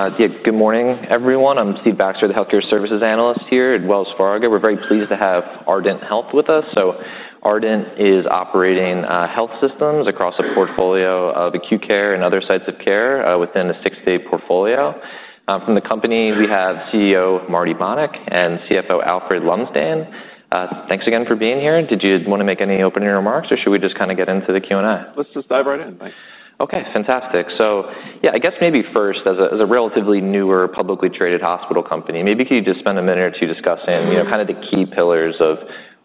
... Yeah, good morning, everyone. I'm Steve Baxter, the healthcare services analyst here at Wells Fargo. We're very pleased to have Ardent Health with us. So Ardent is operating health systems across a portfolio of acute care and other sites of care within the six-state portfolio. From the company, we have CEO Marty Bonick and CFO Alfred Ljungquist. Thanks again for being here. Did you want to make any opening remarks, or should we just kind of get into the Q&A? Let's just dive right in, thanks. Okay, fantastic. So yeah, I guess maybe first, as a relatively newer publicly traded hospital company, maybe can you just spend a minute or two discussing, you know, kind of the key pillars of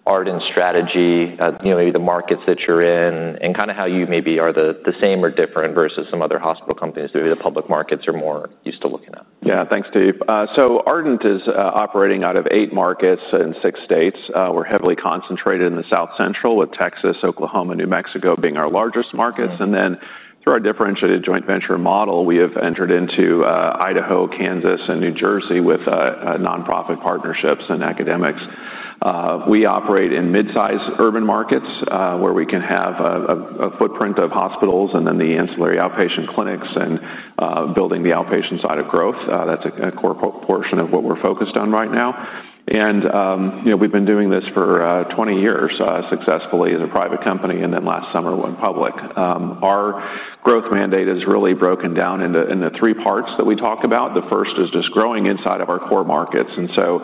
Ardent strategy, you know, the markets that you're in, and kinda how you maybe are the same or different versus some other hospital companies, maybe the public markets you're more used to looking at? Yeah, thanks, Steve. So Ardent is operating out of eight markets in six states. We're heavily concentrated in the South Central, with Texas, Oklahoma, New Mexico being our largest markets. Yeah. And then, through our differentiated joint venture model, we have entered into Idaho, Kansas, and New Jersey with nonprofit partnerships and academics. We operate in mid-sized urban markets, where we can have a footprint of hospitals and then the ancillary outpatient clinics and building the outpatient side of growth. That's a core portion of what we're focused on right now. You know, we've been doing this for twenty years successfully as a private company, and then last summer, went public. Our growth mandate is really broken down into three parts that we talk about. The first is just growing inside of our core markets, and so,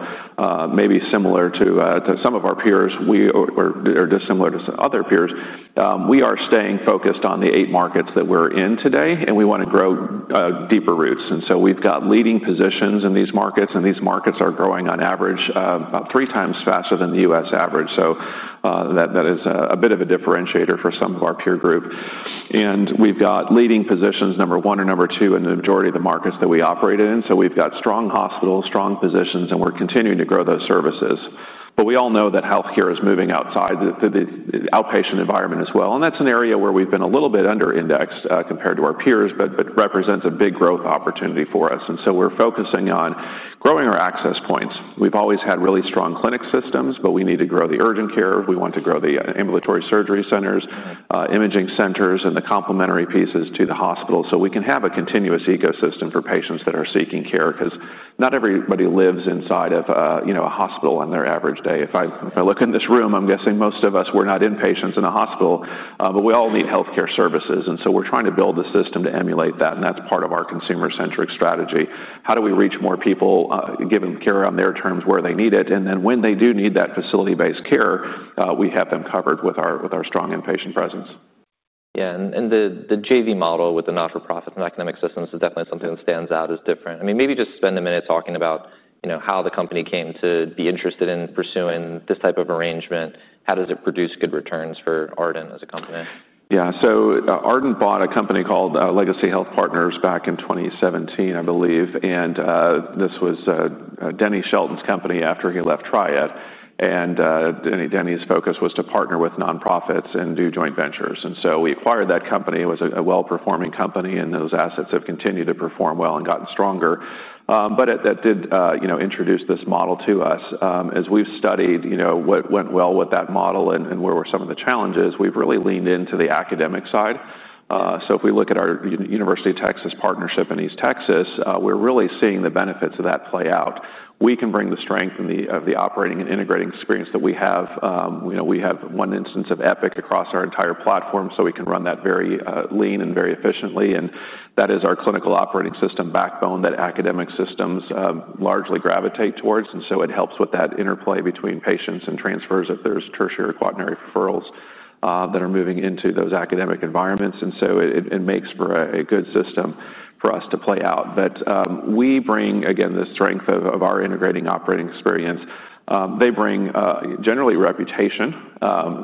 maybe similar to some of our peers, or dissimilar to some other peers, we are staying focused on the eight markets that we're in today, and we want to grow deeper roots. We've got leading positions in these markets, and these markets are growing on average about three times faster than the U.S. average. That is a bit of a differentiator for some of our peer group. We've got leading positions, number one or number two, in the majority of the markets that we operate in. We've got strong hospitals, strong positions, and we're continuing to grow those services. But we all know that healthcare is moving outside the outpatient environment as well, and that's an area where we've been a little bit under indexed, compared to our peers, but represents a big growth opportunity for us. And so we're focusing on growing our access points. We've always had really strong clinic systems, but we need to grow the urgent care. We want to grow the ambulatory surgery centers-... imaging centers, and the complementary pieces to the hospital, so we can have a continuous ecosystem for patients that are seeking care. 'Cause not everybody lives inside of a, you know, a hospital on their average day. If I look in this room, I'm guessing most of us, we're not inpatients in a hospital, but we all need healthcare services, and so we're trying to build a system to emulate that, and that's part of our consumer-centric strategy. How do we reach more people, give them care on their terms where they need it? And then, when they do need that facility-based care, we have them covered with our strong inpatient presence. Yeah, and the JV model with the not-for-profit and academic systems is definitely something that stands out as different. I mean, maybe just spend a minute talking about, you know, how the company came to be interested in pursuing this type of arrangement. How does it produce good returns for Ardent as a company? Yeah. So, Ardent bought a company called Legacy Health Partners back in 2017, I believe, and this was Denny Shelton's company after he left Triad. Denny's focus was to partner with nonprofits and do joint ventures, and so we acquired that company. It was a well-performing company, and those assets have continued to perform well and gotten stronger. But that did, you know, introduce this model to us. As we've studied, you know, what went well with that model and where were some of the challenges, we've really leaned into the academic side. So if we look at our University of Texas partnership in East Texas, we're really seeing the benefits of that play out. We can bring the strength and the of the operating and integrating experience that we have. You know, we have one instance of Epic across our entire platform, so we can run that very lean and very efficiently, and that is our clinical operating system backbone that academic systems largely gravitate towards, and so it makes for a good system for us to play out, but we bring, again, the strength of our integrating operating experience. They bring generally reputation.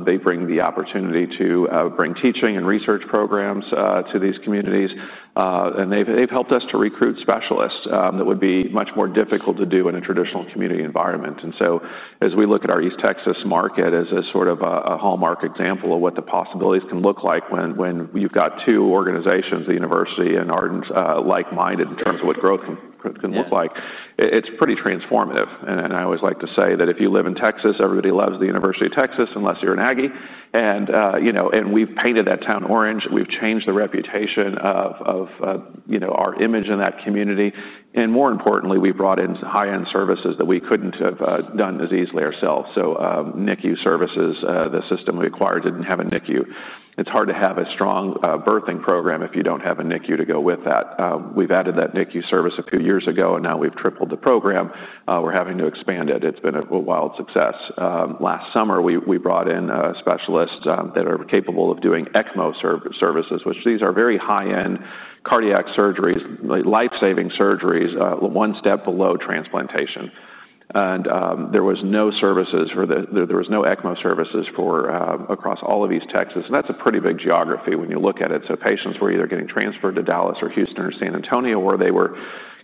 They bring the opportunity to bring teaching and research programs to these communities, and they've helped us to recruit specialists that would be much more difficult to do in a traditional community environment. And so, as we look at our East Texas market as a sort of a hallmark example of what the possibilities can look like when you've got two organizations, the university and Ardent, like-minded in terms of what growth can- Yeah ... can look like, it's pretty transformative. I always like to say that if you live in Texas, everybody loves the University of Texas, unless you're an Aggie. And, you know, we've painted that town orange. We've changed the reputation of, you know, our image in that community, and more importantly, we brought in high-end services that we couldn't have done as easily ourselves. So, NICU services, the system we acquired didn't have a NICU. It's hard to have a strong birthing program if you don't have a NICU to go with that. We've added that NICU service a few years ago, and now we've tripled the program. We're having to expand it. It's been a wild success. Last summer, we brought in specialists that are capable of doing ECMO services, which these are very high-end cardiac surgeries, life-saving surgeries, one step below transplantation. There was no ECMO services across all of East Texas, and that's a pretty big geography when you look at it. So patients were either getting transferred to Dallas or Houston or San Antonio, where they were,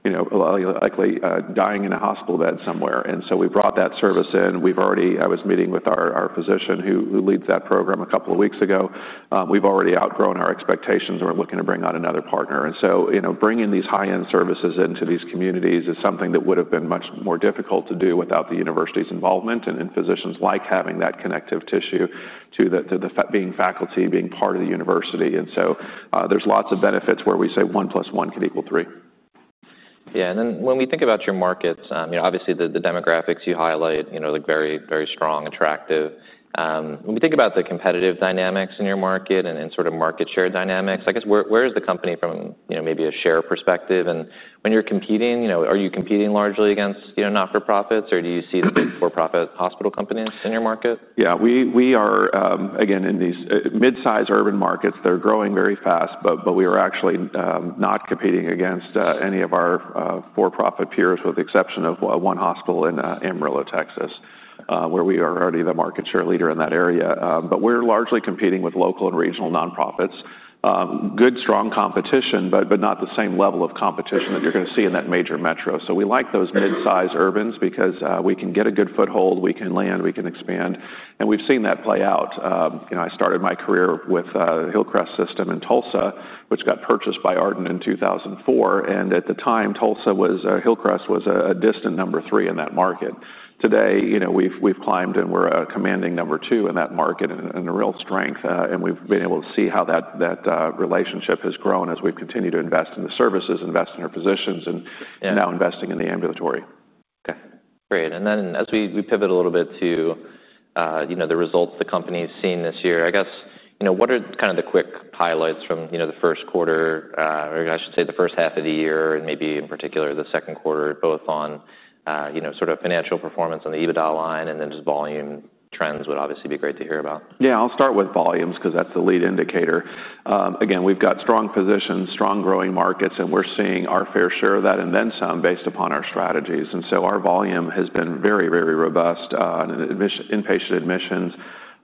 you know, likely dying in a hospital bed somewhere. And so we brought that service in. We've already. I was meeting with our physician, who leads that program, a couple of weeks ago. We've already outgrown our expectations, and we're looking to bring on another partner. And so, you know, bringing these high-end services into these communities is something that would have been much more difficult to do without the university's involvement, and physicians like having that connective tissue to the faculty, being part of the university. And so, there's lots of benefits where we say one plus one can equal three. ... Yeah, and then when we think about your markets, you know, obviously, the demographics you highlight, you know, look very, very strong, attractive. When we think about the competitive dynamics in your market and in sort of market share dynamics, I guess, where is the company from, you know, maybe a share perspective? And when you're competing, you know, are you competing largely against, you know, not-for-profits, or do you see the for-profit hospital companies in your market? Yeah, we, we are, again, in these, mid-size urban markets, they're growing very fast, but, but we are actually, not competing against, any of our, for-profit peers, with the exception of one hospital in, Amarillo, Texas, where we are already the market share leader in that area. But we're largely competing with local and regional nonprofits. Good, strong competition, but, but not the same level of competition that you're gonna see in that major metro. So we like those mid-size urbans because, we can get a good foothold, we can land, we can expand, and we've seen that play out. You know, I started my career with, Hillcrest System in Tulsa, which got purchased by Ardent in 2004, and at the time, Tulsa was, Hillcrest was a distant number three in that market. Today, you know, we've climbed, and we're commanding number two in that market, and a real strength, and we've been able to see how that relationship has grown as we've continued to invest in the services, invest in our positions, and- Yeah Now investing in the ambulatory. Okay, great. And then as we pivot a little bit to, you know, the results the company's seen this year, I guess, you know, what are kind of the quick highlights from, you know, the first quarter, or I should say, the first half of the year, and maybe in particular, the second quarter, both on, you know, sort of financial performance on the EBITDA line, and then just volume trends would obviously be great to hear about? Yeah, I'll start with volumes 'cause that's the lead indicator. Again, we've got strong positions, strong growing markets, and we're seeing our fair share of that, and then some, based upon our strategies, and so our volume has been very, very robust, and inpatient admissions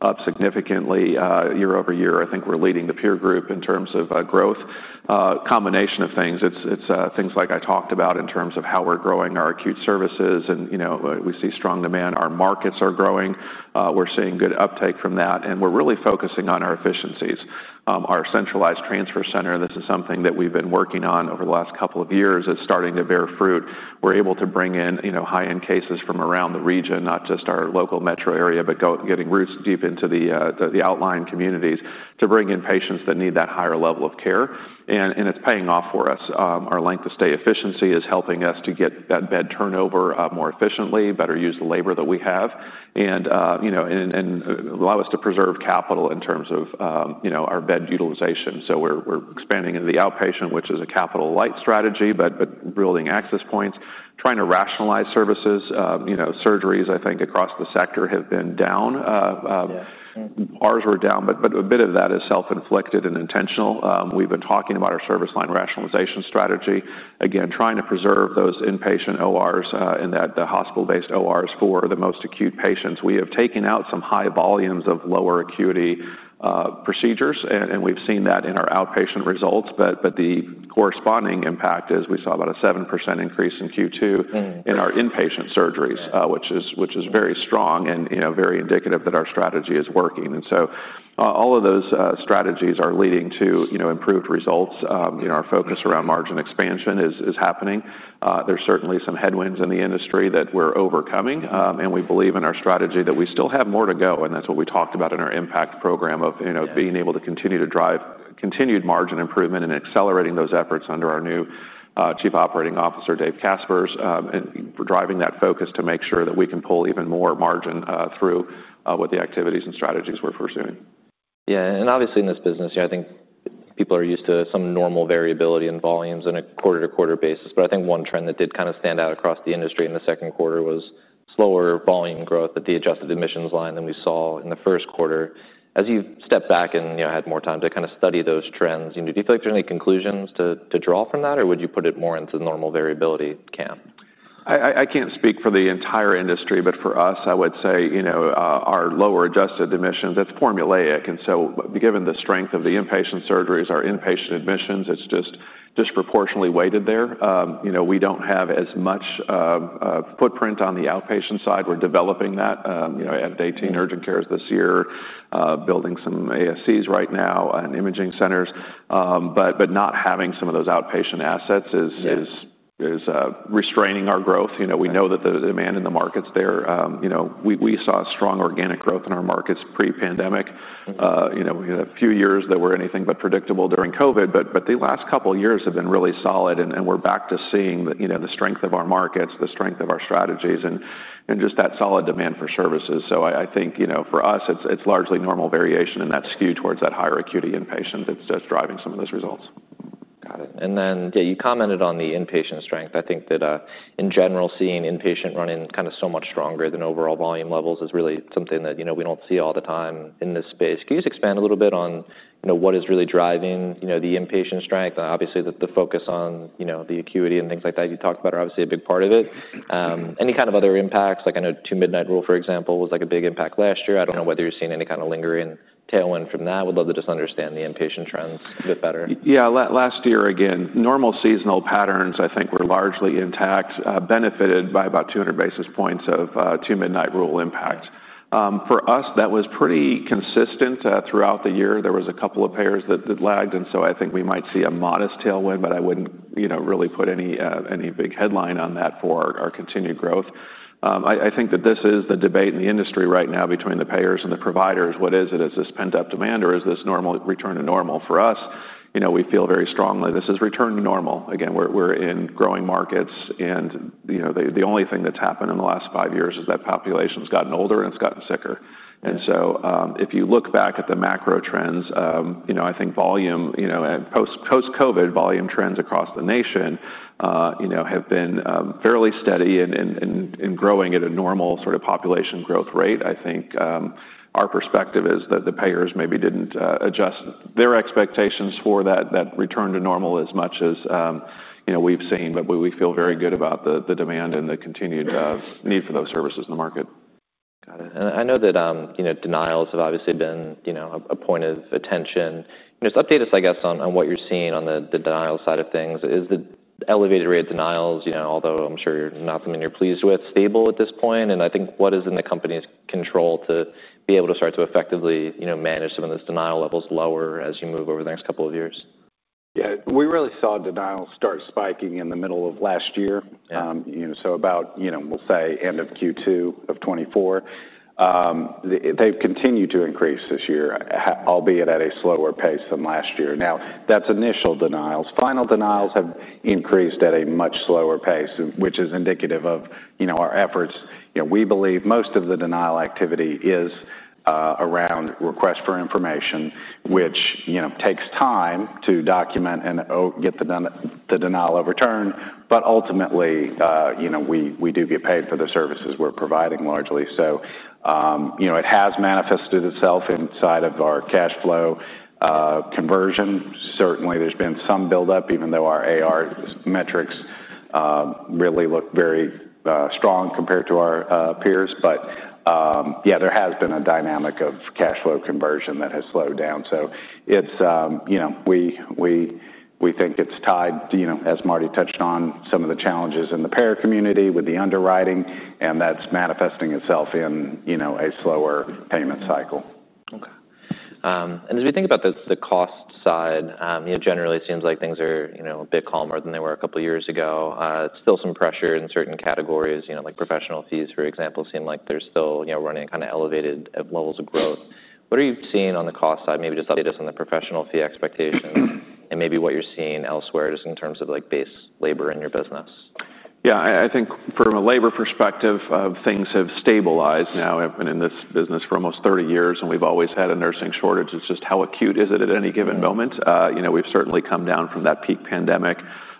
up significantly, year over year. I think we're leading the peer group in terms of, growth. Combination of things, things like I talked about in terms of how we're growing our acute services, and, you know, we see strong demand. Our markets are growing. We're seeing good uptake from that, and we're really focusing on our efficiencies. Our centralized transfer center, this is something that we've been working on over the last couple of years. It's starting to bear fruit. We're able to bring in, you know, high-end cases from around the region, not just our local metro area, but getting roots deep into the outlying communities, to bring in patients that need that higher level of care, and it's paying off for us. Our length of stay efficiency is helping us to get that bed turnover more efficiently, better use the labor that we have, and you know, allow us to preserve capital in terms of you know, our bed utilization. So we're expanding into the outpatient, which is a capital-light strategy, but building access points, trying to rationalize services. You know, surgeries, I think, across the sector have been down. Yeah. Ours were down, but a bit of that is self-inflicted and intentional. We've been talking about our service line rationalization strategy. Again, trying to preserve those inpatient ORs and that the hospital-based ORs for the most acute patients. We have taken out some high volumes of lower acuity procedures, and we've seen that in our outpatient results, but the corresponding impact is we saw about a 7% increase in Q2- in our inpatient surgeries... which is Very strong and, you know, very indicative that our strategy is working. And so, all of those strategies are leading to, you know, improved results. You know, our focus around margin expansion is happening. There's certainly some headwinds in the industry that we're overcoming, and we believe in our strategy that we still have more to go, and that's what we talked about in our Impact program of, you know- Yeah... being able to continue to drive continued margin improvement and accelerating those efforts under our new Chief Operating Officer, David Kasper, and we're driving that focus to make sure that we can pull even more margin through with the activities and strategies we're pursuing. Yeah, and obviously, in this business, you know, I think people are used to some normal variability in volumes in a quarter-to-quarter basis. But I think one trend that did kind of stand out across the industry in the second quarter was slower volume growth at the adjusted admissions line than we saw in the first quarter. As you step back and, you know, had more time to kind of study those trends, you know, do you feel like there are any conclusions to draw from that, or would you put it more into the normal variability camp? I can't speak for the entire industry, but for us, I would say, you know, our lower adjusted admissions, that's formulaic, and so given the strength of the inpatient surgeries, our inpatient admissions, it's just disproportionately weighted there. You know, we don't have as much footprint on the outpatient side. We're developing that. You know, added 18 urgent cares this year, building some ASCs right now and imaging centers, but not having some of those outpatient assets is- Yeah... is restraining our growth. Right. You know, we know that the demand in the markets there, you know, we saw strong organic growth in our markets pre-pandemic. You know, we had a few years that were anything but predictable during COVID, but the last couple of years have been really solid, and we're back to seeing the, you know, the strength of our markets, the strength of our strategies, and just that solid demand for services. So I think, you know, for us, it's largely normal variation, and that skew towards that higher acuity inpatient that's just driving some of those results. Got it, and then, yeah, you commented on the inpatient strength. I think that, in general, seeing inpatient running kind of so much stronger than overall volume levels is really something that, you know, we don't see all the time in this space. Can you just expand a little bit on, you know, what is really driving, you know, the inpatient strength? Obviously, the, the focus on, you know, the acuity and things like that you talked about are obviously a big part of it. Any kind of other impacts, like I know, Two-Midnight Rule, for example, was like a big impact last year. I don't know whether you're seeing any kind of lingering tailwind from that. Would love to just understand the inpatient trends a bit better. Yeah, last year, again, normal seasonal patterns, I think, were largely intact, benefited by about 200 basis points of Two-Midnight Rule impact. For us, that was pretty consistent throughout the year. There was a couple of payers that lagged, and so I think we might see a modest tailwind, but I wouldn't, you know, really put any big headline on that for our continued growth. I think that this is the debate in the industry right now between the payers and the providers. What is it? Is this pent-up demand, or is this return to normal? For us, you know, we feel very strongly this is return to normal. Again, we're in growing markets, and you know, the only thing that's happened in the last five years is that population's gotten older, and it's gotten sicker. And so, if you look back at the macro trends, you know, I think volume, you know, and post-COVID volume trends across the nation, you know, have been fairly steady and growing at a normal sort of population growth rate. I think our perspective is that the payers maybe didn't adjust their expectations for that return to normal as much as you know, we've seen. But we feel very good about the demand and the continued need for those services in the market. Got it. And I know that, you know, denials have obviously been, you know, a point of attention. Just update us, I guess, on what you're seeing on the denial side of things. Is the elevated rate of denials, you know, although I'm sure not something you're pleased with, stable at this point? And I think what is in the company's control to be able to start to effectively, you know, manage some of those denial levels lower as you move over the next couple of years? Yeah. We really saw denials start spiking in the middle of last year. Yeah. You know, so about, you know, we'll say end of Q2 of 2024. They've continued to increase this year, albeit at a slower pace than last year. Now, that's initial denials. Final denials have increased at a much slower pace, which is indicative of, you know, our efforts. You know, we believe most of the denial activity is around request for information, which, you know, takes time to document and get the denial overturned. But ultimately, you know, we do get paid for the services we're providing largely. So, you know, it has manifested itself inside of our cash flow conversion. Certainly, there's been some buildup, even though our AR metrics really look very strong compared to our peers. But, yeah, there has been a dynamic of cash flow conversion that has slowed down. It's, you know, we think it's tied, you know, as Marty touched on, some of the challenges in the payer community with the underwriting, and that's manifesting itself in, you know, a slower payment cycle. Okay. And as we think about the cost side, it generally seems like things are, you know, a bit calmer than they were a couple of years ago. Still some pressure in certain categories, you know, like professional fees, for example, seem like they're still, you know, running kinda elevated levels of growth. What are you seeing on the cost side? Maybe just update us on the professional fee expectations and maybe what you're seeing elsewhere, just in terms of, like, base labor in your business. Yeah, I think from a labor perspective, things have stabilized now. I've been in this business for almost thirty years, and we've always had a nursing shortage. It's just how acute is it at any given moment? Yeah. You know, we've certainly come down from that peak pandemic,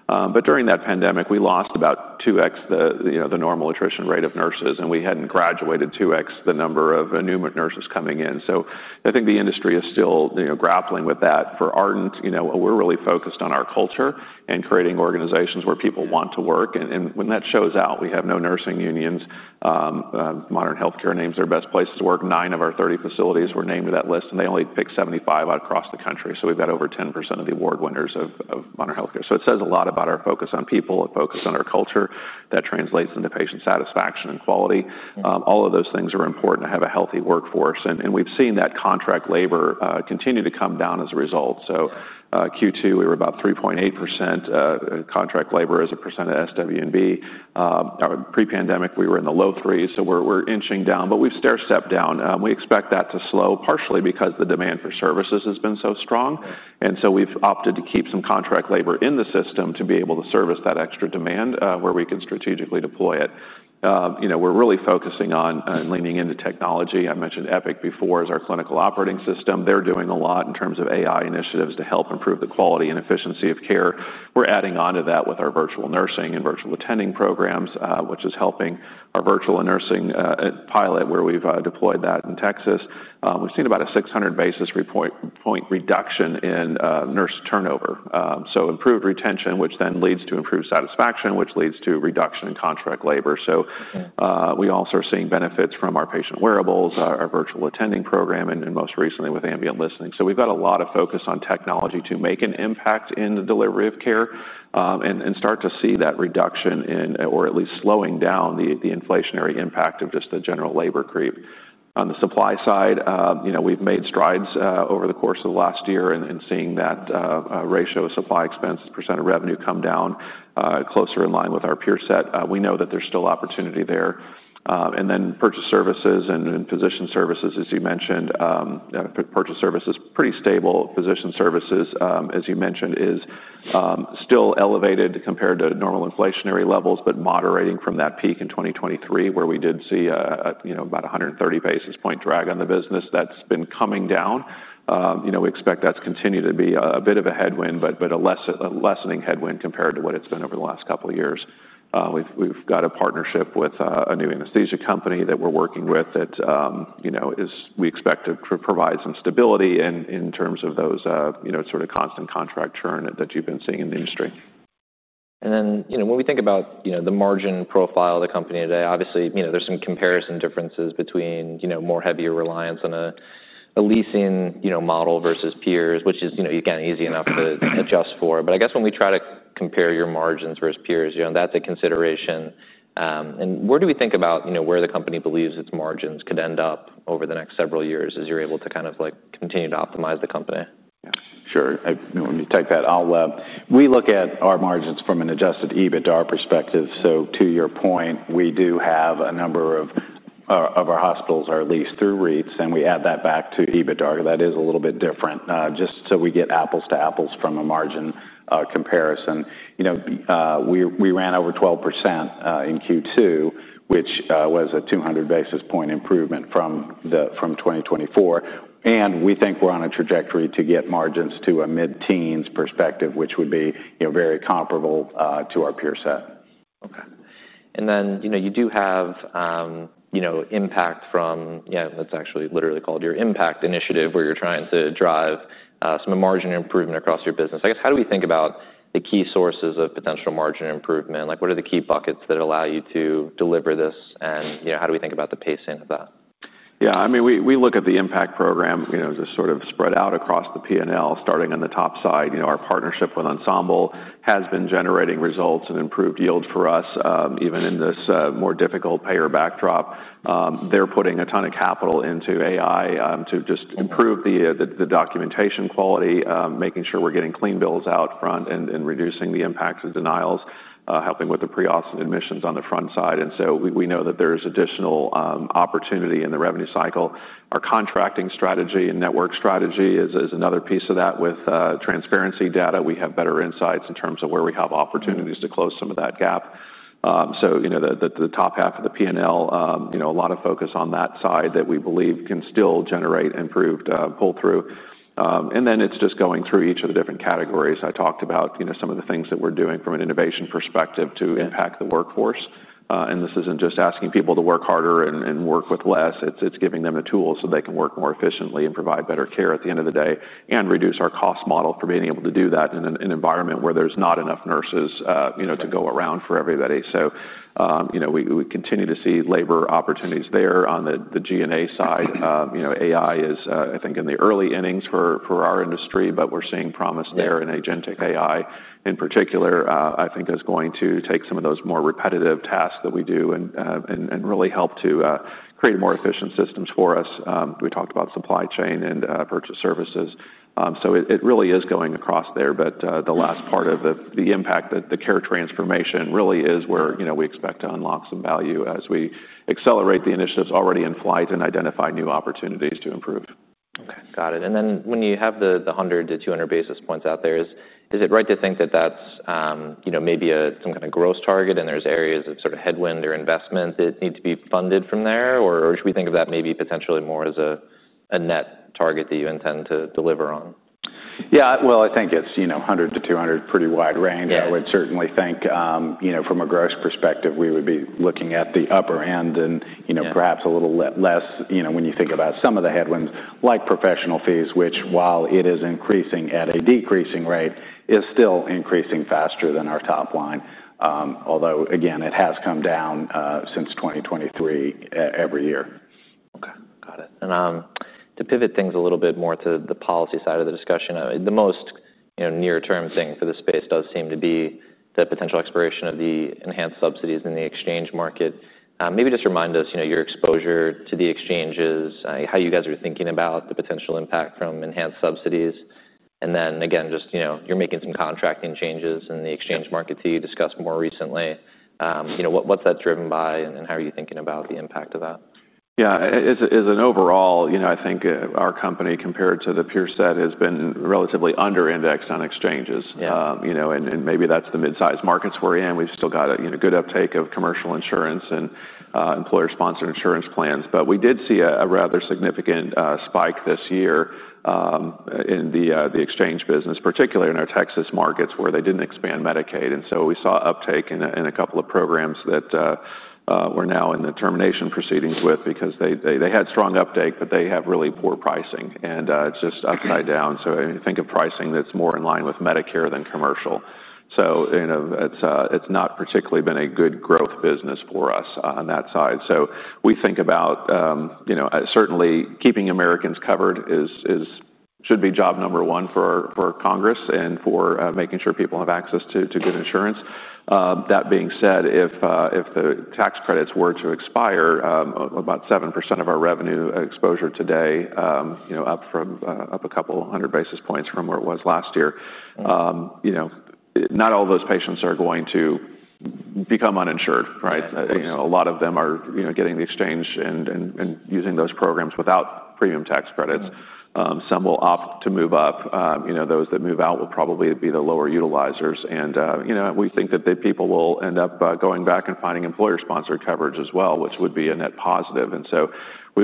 but during that pandemic, we lost about two times the normal attrition rate of nurses, and we hadn't graduated two times the number of new nurses coming in. So I think the industry is still, you know, grappling with that. For Ardent, you know, we're really focused on our culture and creating organizations where people want to work, and when that shows out, we have no nursing unions. Modern Healthcare names their best places to work. Nine of our 30 facilities were named to that list, and they only picked 75 across the country, so we've got over 10% of the award winners of Modern Healthcare. So it says a lot about our focus on people, our focus on our culture. That translates into patient satisfaction and quality. Yeah. All of those things are important to have a healthy workforce, and we've seen that contract labor continue to come down as a result. So, Q2, we were about 3.8% contract labor as a percent of SWB. Pre-pandemic, we were in the low threes, so we're inching down, but we've stairstepped down. We expect that to slow, partially because the demand for services has been so strong. Right. And so we've opted to keep some contract labor in the system to be able to service that extra demand, where we can strategically deploy it. You know, we're really focusing on and leaning into technology. I mentioned Epic before as our clinical operating system. They're doing a lot in terms of AI initiatives to help improve the quality and efficiency of care. We're adding on to that with our virtual nursing and virtual attending programs, which is helping our virtual nursing pilot, where we've deployed that in Texas. We've seen about a 600 basis point reduction in nurse turnover. So improved retention, which then leads to improved satisfaction, which leads to reduction in contract labor, so- Yeah... we also are seeing benefits from our patient wearables, our virtual attending program, and then most recently with ambient listening. So we've got a lot of focus on technology to make an impact in the delivery of care, and start to see that reduction in, or at least slowing down the inflationary impact of just the general labor creep. On the supply side, you know, we've made strides over the course of the last year and seeing that ratio of supply expense % of revenue come down closer in line with our peer set. We know that there's still opportunity there. And then purchased services and physician services, as you mentioned, purchased services, pretty stable. Physician services, as you mentioned, is still elevated compared to normal inflationary levels, but moderating from that peak in 2023, where we did see, you know, about 130 basis points drag on the business. That's been coming down. You know, we expect that to continue to be a bit of a headwind, but a lessening headwind compared to what it's been over the last couple of years. We've got a partnership with a new anesthesia company that we're working with that, you know, is we expect to provide some stability in terms of those, you know, sort of constant contract churn that you've been seeing in the industry. And then, you know, when we think about, you know, the margin profile of the company today, obviously, you know, there's some comparison differences between, you know, more heavier reliance on a leasing, you know, model versus peers, which is, you know, again, easy enough to adjust for. But I guess when we try to compare your margins versus peers, you know, that's a consideration. And where do we think about, you know, where the company believes its margins could end up over the next several years as you're able to kind of, like, continue to optimize the company? Sure. Let me take that. We look at our margins from an adjusted EBITDA perspective. So to your point, we do have a number of... of our hospitals are at least through REITs, and we add that back to EBITDA. That is a little bit different, just so we get apples to apples from a margin, comparison. You know, we ran over 12%, in Q2, which was a 200 basis points improvement from 2024, and we think we're on a trajectory to get margins to a mid-teens perspective, which would be, you know, very comparable, to our peer set. Okay. And then, you know, you do have, you know, impact from, yeah, it's actually literally called your Impact Initiative, where you're trying to drive, some margin improvement across your business. I guess, how do we think about the key sources of potential margin improvement? Like, what are the key buckets that allow you to deliver this, and, you know, how do we think about the pacing of that Yeah, I mean, we look at the Impact program, you know, just sort of spread out across the P&L, starting on the top side. You know, our partnership with Ensemble has been generating results and improved yield for us, even in this more difficult payer backdrop. They're putting a ton of capital into AI, to just improve the documentation quality, making sure we're getting clean bills out front and reducing the impacts of denials, helping with the pre-ops and admissions on the front side. And so we know that there's additional opportunity in the revenue cycle. Our contracting strategy and network strategy is another piece of that. With transparency data, we have better insights in terms of where we have opportunities to close some of that gap. So, you know, the top half of the P&L, you know, a lot of focus on that side that we believe can still generate improved pull-through, and then it's just going through each of the different categories. I talked about, you know, some of the things that we're doing from an innovation perspective to impact the workforce, and this isn't just asking people to work harder and work with less, it's giving them the tools so they can work more efficiently and provide better care at the end of the day, and reduce our cost model for being able to do that in an environment where there's not enough nurses, you know, to go around for everybody. So, you know, we continue to see labor opportunities there on the G&A side. You know, AI is, I think, in the early innings for our industry, but we're seeing promise there in agentic AI. In particular, I think is going to take some of those more repetitive tasks that we do and really help to create more efficient systems for us. We talked about supply chain and purchase services. So it really is going across there, but the last part of the impact that the care transformation really is where, you know, we expect to unlock some value as we accelerate the initiatives already in flight and identify new opportunities to improve. Okay, got it. And then when you have the 100-200 basis points out there, is it right to think that that's, you know, maybe some kind of gross target, and there's areas of sort of headwind or investment that need to be funded from there? Or should we think of that maybe potentially more as a net target that you intend to deliver on? Yeah, well, I think it's, you know, 100 to 200, pretty wide range. Yeah. I would certainly think, you know, from a gross perspective, we would be looking at the upper end and- Yeah... you know, perhaps a little less, you know, when you think about some of the headwinds, like professional fees, which, while it is increasing at a decreasing rate, is still increasing faster than our top line. Although, again, it has come down since twenty twenty-three every year. Okay, got it. And, to pivot things a little bit more to the policy side of the discussion, the most, you know, near-term thing for the space does seem to be the potential expiration of the enhanced subsidies in the exchange market. Maybe just remind us, you know, your exposure to the exchanges, how you guys are thinking about the potential impact from enhanced subsidies. And then, again, just, you know, you're making some contracting changes in the exchange market that you discussed more recently. You know, what, what's that driven by, and how are you thinking about the impact of that? Yeah, as an overall, you know, I think, our company, compared to the peer set, has been relatively under-indexed on exchanges. Yeah. You know, and maybe that's the mid-size markets we're in. We've still got, you know, good uptake of commercial insurance and employer-sponsored insurance plans, but we did see a rather significant spike this year in the exchange business, particularly in our Texas markets, where they didn't expand Medicaid, and so we saw uptake in a couple of programs that we're now in the termination proceedings with because they had strong uptake, but they have really poor pricing, and it's just upside down, so think of pricing that's more in line with Medicare than commercial, so you know, it's not particularly been a good growth business for us on that side. So we think about, you know, certainly keeping Americans covered is should be job number one for Congress and for making sure people have access to good insurance. That being said, if the tax credits were to expire, about 7% of our revenue exposure today, you know, up from a couple hundred basis points from where it was last year. You know, not all those patients are going to become uninsured, right? Yeah, of course. You know, a lot of them are, you know, getting the exchange and using those programs without premium tax credits. Mm. Some will opt to move up. You know, those that move out will probably be the lower utilizers. And you know, we think that the people will end up going back and finding employer-sponsored coverage as well, which would be a net positive. And so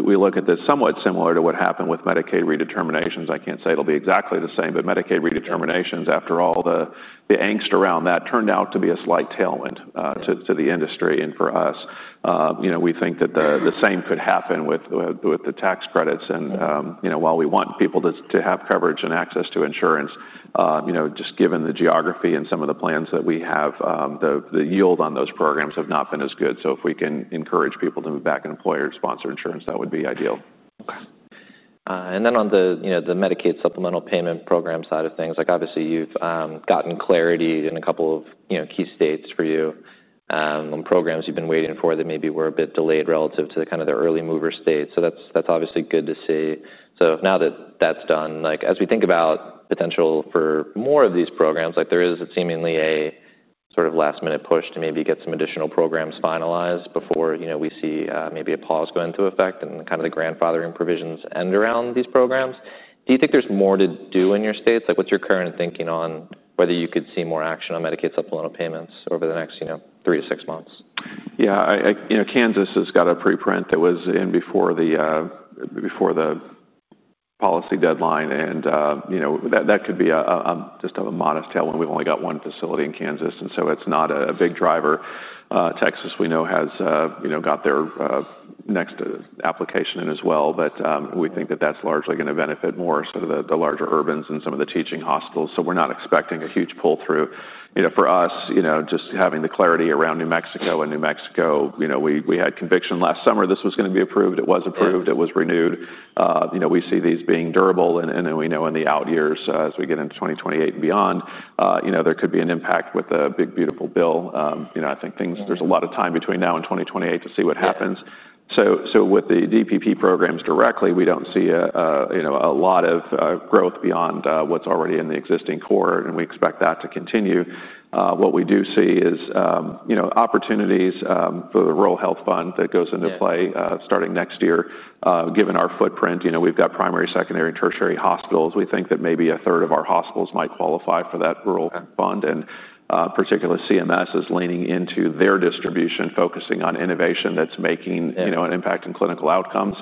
we look at this somewhat similar to what happened with Medicaid redeterminations. I can't say it'll be exactly the same, but Medicaid redeterminations, after all, the angst around that turned out to be a slight tailwind. Yeah... to the industry and for us. You know, we think that the same could happen with the tax credits. Yeah. you know, while we want people to have coverage and access to insurance, you know, just given the geography and some of the plans that we have, the yield on those programs have not been as good. If we can encourage people to move back in employer-sponsored insurance, that would be ideal. Okay. And then on the, you know, the Medicaid supplemental payment program side of things, like, obviously, you've gotten clarity in a couple of, you know, key states for you, on programs you've been waiting for that maybe were a bit delayed relative to the kind of the early mover states. So that's obviously good to see. So now that that's done, like, as we think about potential for more of these programs, like, there is seemingly a sort of last-minute push to maybe get some additional programs finalized before, you know, we see maybe a pause go into effect and kind of the grandfathering provisions end around these programs. Do you think there's more to do in your states? Like, what's your current thinking on whether you could see more action on Medicaid supplemental payments over the next, you know, three to six months? Yeah, you know, Kansas has got a preprint that was in before the policy deadline, and you know, that could be just a modest tail, and we've only got one facility in Kansas, and so it's not a big driver. Texas, we know, has you know, got their next application in as well, but we think that that's largely gonna benefit more so the larger urbans and some of the teaching hospitals, so we're not expecting a huge pull-through. You know, for us, you know, just having the clarity around New Mexico, and New Mexico, you know, we had conviction last summer this was gonna be approved. It was approved. It was renewed. You know, we see these being durable, and we know in the out years, as we get into twenty twenty-eight and beyond, you know, there could be an impact with the Big Beautiful Bill. You know, I think things- Mm. There's a lot of time between now and twenty twenty-eight to see what happens. Yeah. So with the DPP programs directly, we don't see a you know a lot of growth beyond what's already in the existing core, and we expect that to continue. What we do see is you know opportunities for the Rural Health fund that goes into play- Yeah... starting next year. Given our footprint, you know, we've got primary, secondary, and tertiary hospitals. We think that maybe a third of our hospitals might qualify for that rural fund- Okay and, particularly CMS is leaning into their distribution, focusing on innovation that's making. Yeah You know, an impact in clinical outcomes.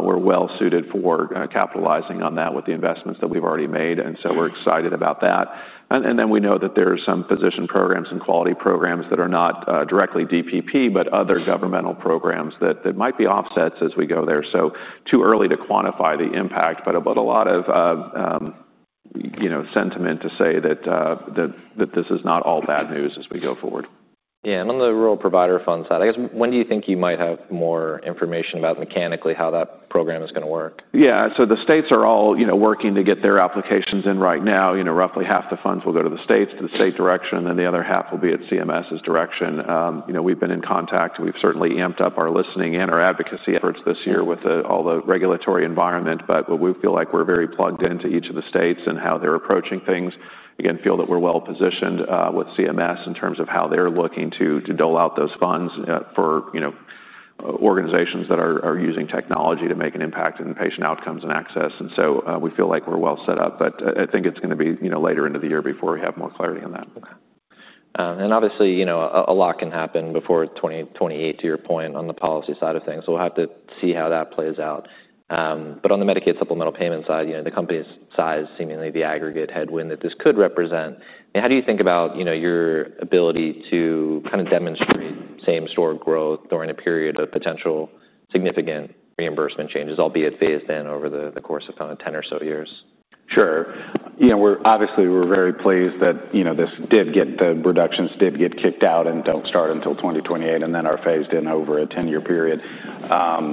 We're well suited for capitalizing on that with the investments that we've already made, and so we're excited about that. And then we know that there are some physician programs and quality programs that are not directly DPP, but other governmental programs that might be offsets as we go there. So too early to quantify the impact, but a lot of you know, sentiment to say that this is not all bad news as we go forward. Yeah, and on the Rural Health fund side, I guess, when do you think you might have more information about mechanically how that program is gonna work? Yeah. So the states are all, you know, working to get their applications in right now. You know, roughly half the funds will go to the states, to the state direction, and then the other half will be at CMS's direction. You know, we've been in contact. We've certainly amped up our listening and our advocacy efforts this year with the, all the regulatory environment. But what we feel like we're very plugged into each of the states and how they're approaching things. Again, feel that we're well positioned with CMS in terms of how they're looking to dole out those funds for, you know, organizations that are using technology to make an impact in patient outcomes and access, and so we feel like we're well set up. But, I think it's gonna be, you know, later into the year before we have more clarity on that. Okay, and obviously, you know, a lot can happen before twenty twenty-eight, to your point, on the policy side of things, so we'll have to see how that plays out, but on the Medicaid supplemental payment side, you know, the company's size, seemingly the aggregate headwind that this could represent, and how do you think about, you know, your ability to kind of demonstrate same store growth during a period of potential significant reimbursement changes, albeit phased in over the course of kind of ten or so years? Sure. You know, we're obviously very pleased that, you know, this did get, the reductions did get kicked out and don't start until twenty twenty-eight and then are phased in over a ten-year period.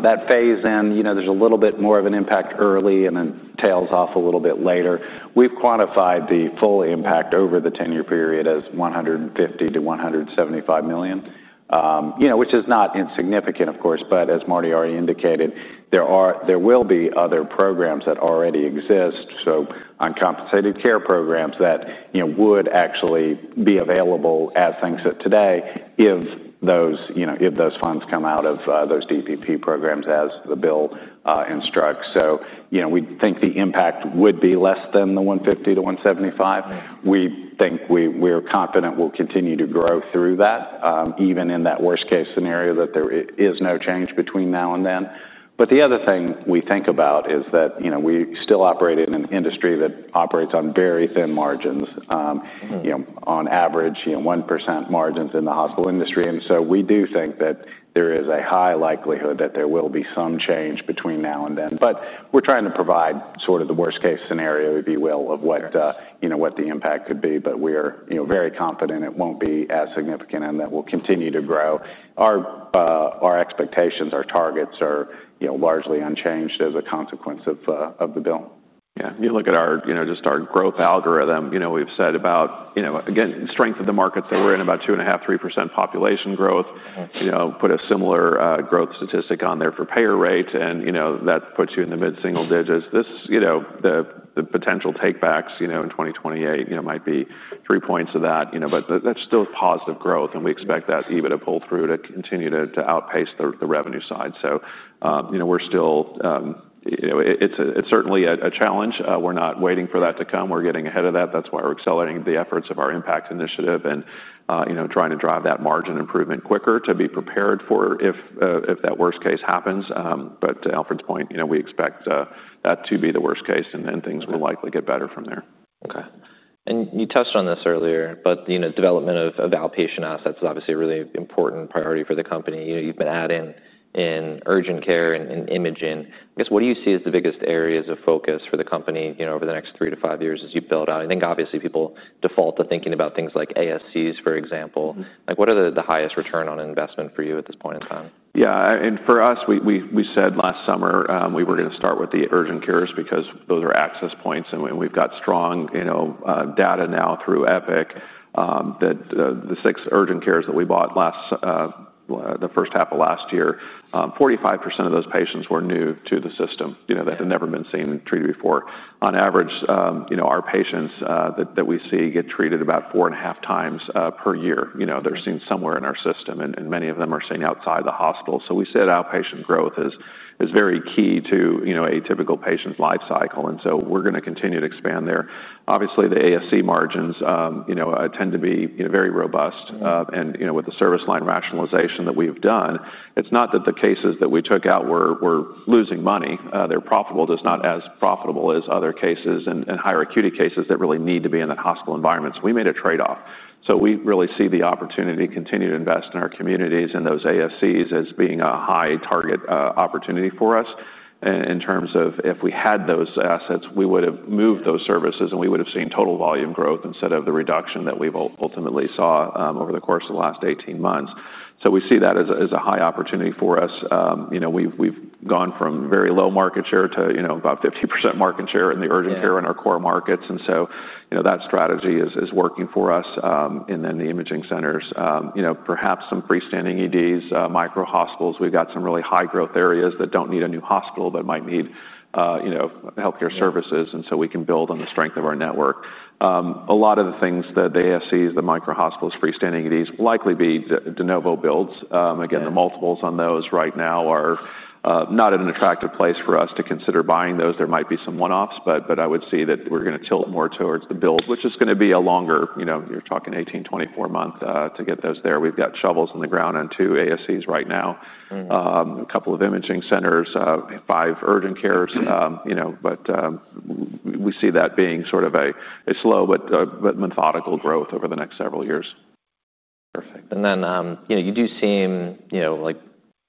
That phase in, you know, there's a little bit more of an impact early and then tails off a little bit later. We've quantified the full impact over the ten-year period as $150 million-$175 million. You know, which is not insignificant, of course, but as Marty already indicated, there are, there will be other programs that already exist, so uncompensated care programs that, you know, would actually be available as things sit today if those, you know, if those funds come out of those DPP programs as the bill instructs. You know, we think the impact would be less than the $150-$175. We're confident we'll continue to grow through that, even in that worst case scenario, that there is no change between now and then, but the other thing we think about is that, you know, we still operate in an industry that operates on very thin margins.... you know, on average, you know, 1% margins in the hospital industry, and so we do think that there is a high likelihood that there will be some change between now and then. But we're trying to provide sort of the worst-case scenario, if you will, of what- Sure... you know, what the impact could be, but we're, you know, very confident it won't be as significant and that we'll continue to grow. Our expectations, our targets are, you know, largely unchanged as a consequence of the bill. Yeah, if you look at our, you know, just our growth algorithm, you know, we've said about, you know, again, strength of the markets that we're in, about 2.5%-3% population growth. You know, put a similar growth statistic on there for payer rate, and, you know, that puts you in the mid-single digits. This, you know, the potential takebacks, you know, in 2028, you know, might be three points of that, you know, but that's still positive growth, and we expect that even to pull through, to continue to outpace the revenue side. So, you know, we're still, you know, it's certainly a challenge. We're not waiting for that to come. We're getting ahead of that. That's why we're accelerating the efforts of our Impact Initiative and, you know, trying to drive that margin improvement quicker to be prepared for if that worst case happens. But to Alfred's point, you know, we expect that to be the worst case, and then things will likely get better from there. Okay. And you touched on this earlier, but you know, development of outpatient assets is obviously a really important priority for the company. You know, you've been adding in urgent care and imaging. I guess, what do you see as the biggest areas of focus for the company, you know, over the next three to five years as you build out? I think obviously people default to thinking about things like ASCs, for example. Like, what are the highest return on investment for you at this point in time? Yeah, and for us, we said last summer, we were gonna start with the urgent cares because those are access points, and we've got strong, you know, data now through Epic, that the six urgent cares that we bought last, well, the first half of last year, 45% of those patients were new to the system. You know, they had never been seen or treated before. On average, you know, our patients, that we see get treated about four and a half times, per year. You know, they're seen somewhere in our system, and many of them are seen outside the hospital. So we said outpatient growth is very key to, you know, a typical patient's life cycle, and so we're gonna continue to expand there. Obviously, the ASC margins, you know, tend to be, you know, very robust, and you know, with the service line rationalization that we've done, it's not that the cases that we took out were losing money. They're profitable, just not as profitable as other cases and higher acuity cases that really need to be in the hospital environments. We made a trade-off, so we really see the opportunity to continue to invest in our communities and those ASCs as being a high target opportunity for us. In terms of if we had those assets, we would have moved those services, and we would have seen total volume growth instead of the reduction that we've ultimately saw over the course of the last eighteen months, so we see that as a high opportunity for us. You know, we've gone from very low market share to, you know, about 50% market share in the urgent care- Yeah in our core markets, and so, you know, that strategy is working for us. And then the imaging centers, you know, perhaps some freestanding EDs, micro-hospitals. We've got some really high growth areas that don't need a new hospital, but might need, you know, healthcare services, and so we can build on the strength of our network. A lot of the things, the ASCs, the micro-hospitals, freestanding EDs, likely be de novo builds. Again, the multiples on those right now are not at an attractive place for us to consider buying those. There might be some one-offs, but I would say that we're gonna tilt more towards the build, which is gonna be a longer, you know, you're talking 18-24 month to get those there. We've got shovels in the ground on two ASCs right now. A couple of imaging centers, five urgent cares, you know, but we see that being sort of a slow but methodical growth over the next several years. Perfect. And then, you know, you do seem, you know, like,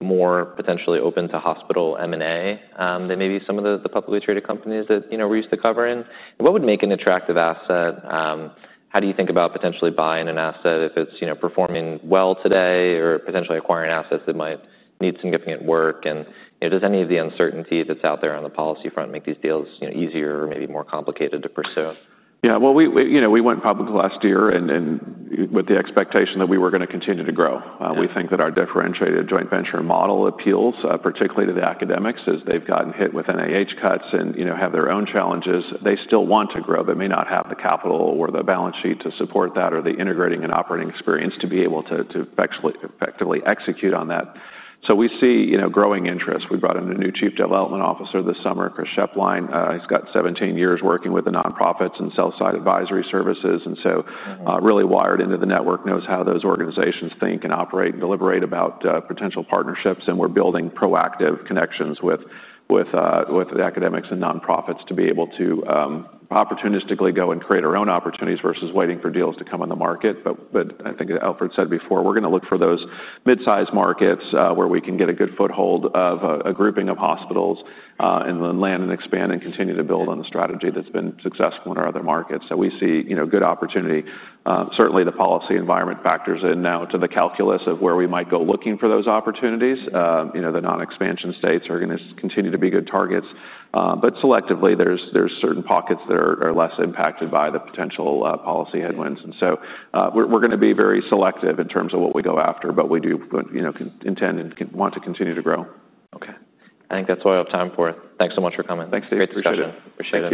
more potentially open to hospital M&A, than maybe some of the publicly traded companies that, you know, we're used to covering. What would make an attractive asset? How do you think about potentially buying an asset if it's, you know, performing well today or potentially acquiring assets that might need some significant work, and, you know, does any of the uncertainty that's out there on the policy front make these deals, you know, easier or maybe more complicated to pursue? Yeah, well, you know, we went public last year, and with the expectation that we were gonna continue to grow. Yeah. We think that our differentiated joint venture model appeals, particularly to the academics, as they've gotten hit with NIH cuts and, you know, have their own challenges. They still want to grow but may not have the capital or the balance sheet to support that, or the integrating and operating experience to be able to effectively execute on that. So we see, you know, growing interest. We brought in a new Chief Development Officer this summer, Chris Schoepflin. He's got 17 years working with the nonprofits and sell-side advisory services, and so- Really wired into the network, knows how those organizations think and operate and deliberate about potential partnerships, and we're building proactive connections with the academics and nonprofits to be able to opportunistically go and create our own opportunities versus waiting for deals to come on the market. But I think Alfred said before, we're gonna look for those mid-sized markets where we can get a good foothold of a grouping of hospitals, and then land and expand and continue to build on the strategy that's been successful in our other markets. So we see, you know, good opportunity. Certainly, the policy environment factors in now to the calculus of where we might go looking for those opportunities. You know, the non-expansion states are gonna continue to be good targets, but selectively, there's certain pockets that are less impacted by the potential policy headwinds. And so, we're gonna be very selective in terms of what we go after, but we do, but, you know, continue to intend and continue to want to continue to grow. Okay. I think that's all I have time for. Thanks so much for coming. Thanks, Dave. Appreciate it. Great discussion. Appreciate it.